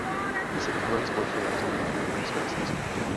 Ty se užívají společně na území dnešního Rumunska i Srbska.